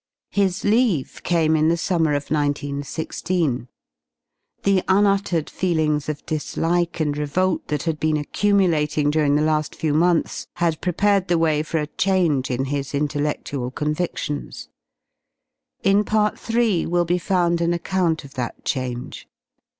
His leave came in the summer of 1916. The A unuttered feelings of dislike and revolt that had been accumu I lating during the I a SI few months had prepared the way for a ( change in his intelledual convidions. In Part III. will be found I an account of that change.